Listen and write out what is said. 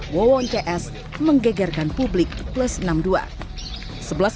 woncs menggegerkan publik plus enam puluh dua